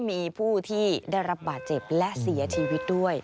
มีผู้ที่ได้รับบาดเจ็บและเสียชีวิตด้วย